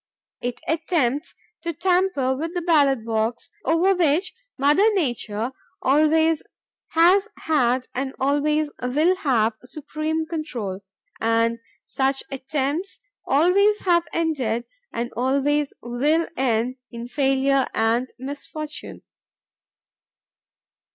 It attempts to tamper with the ballot box, over which mother nature always has had and always will have supreme control; and such attempts always have ended and always will end in failure and misfortune."